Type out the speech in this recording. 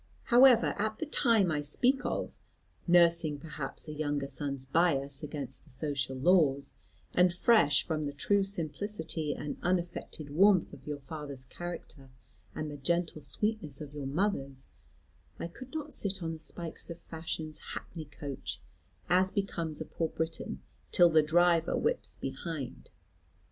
However, at the time I speak of, nursing perhaps a younger son's bias against the social laws, and fresh from the true simplicity and unaffected warmth of your father's character and the gentle sweetness of your mother's, I could not sit on the spikes of fashion's hackney coach, as becomes a poor Briton, till the driver whips behind.